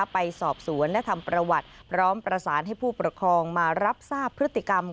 ไปสอบสวนและทำประวัติพร้อมประสานให้ผู้ปกครองมารับทราบพฤติกรรม